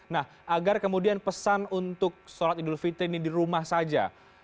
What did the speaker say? nah agar kemudian pesan untuk sholat idul fitri ini di rumah saja